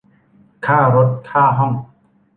ค่ารถค่าห้อง